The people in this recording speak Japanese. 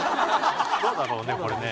どうだろうねこれね。